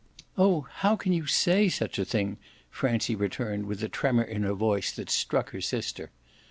"Oh how can you say such a thing?" Francie returned with a tremor in her voice that struck her sister.